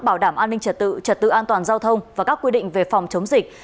bảo đảm an ninh trật tự trật tự an toàn giao thông và các quy định về phòng chống dịch